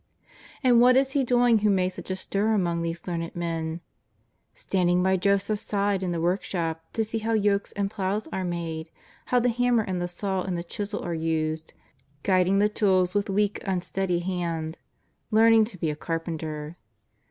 And what is He doing who made such a stir among these learned men? Standing by Joseph's side in the workshop to see how yokes and ploughs are made ; how the hammer and the saw and the chisel are used ; guid ing the tools with weak, unsteady hand ; learning to be a carpenter.